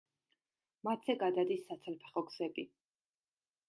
მათზე გადადის საცალფეხო გზები.